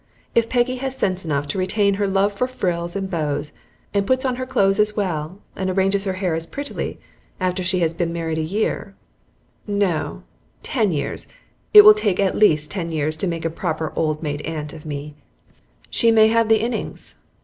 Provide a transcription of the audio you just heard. If Peggy has sense enough to retain her love for frills and bows, and puts on her clothes as well, and arranges her hair as prettily, after she has been married a year no, ten years (it will take at least ten years to make a proper old maid aunt of me) she may have the innings.